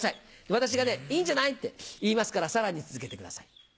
私がね「いいんじゃない」って言いますからさらに続けてください。